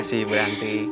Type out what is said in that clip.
makasih ibu ranti